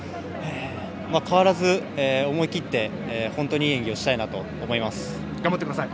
変わらず、思い切って本当にいい演技をしたいなと頑張ってください。